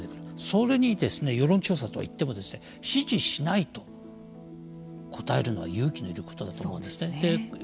それに世論調査とはいっても支持しないと答えるのは勇気のいることだと思うんですね。